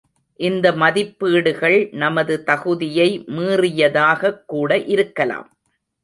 இந்த மதிப்பீடுகள் நமது தகுதியை மீறியதாகக் கூட இருக்கலாம்.